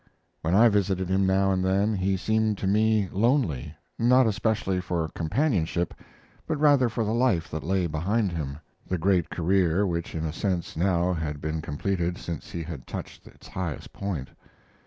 When I visited him now and then, he seemed to me lonely not especially for companionship, but rather for the life that lay behind him the great career which in a sense now had been completed since he had touched its highest point.